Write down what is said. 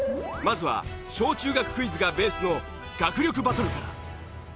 まずは小中学クイズがベースの学力バトルから。